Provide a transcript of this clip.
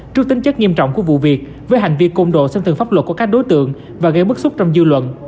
trước tính chất nghiêm trọng của vụ việc với hành vi công độ xâm thường pháp luật của các đối tượng và gây mức xúc trong dư luận